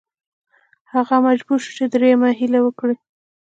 هغه مجبور شو چې دریمه هیله وکړي.